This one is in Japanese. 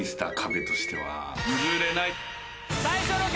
最初の壁